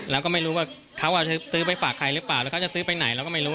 เราก็ไม่รู้ว่าเขาซื้อไปฝากใครหรือเปล่าแล้วเขาจะซื้อไปไหนเราก็ไม่รู้